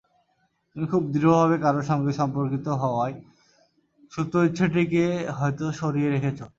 তুমি খুব দৃঢ়ভাবে কারও সঙ্গে সম্পর্কিত হওয়ার সুপ্ত ইচ্ছেটিকে হয়তো সরিয়ে রেখেছ।